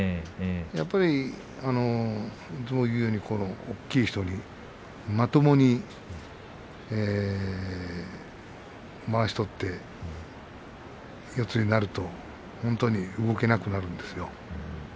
やっぱりいつも言うように大きい人にまともにまわしを取って四つになると本当に動けなくなるんですよ。